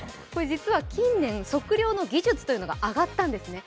実は近年、測量の技術が上がったんですね。